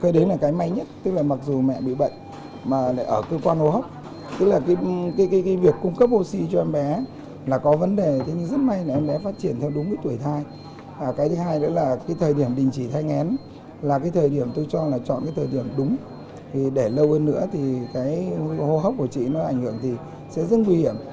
đâu hơn nữa thì hô hốc của chị nó ảnh hưởng thì sẽ rất nguy hiểm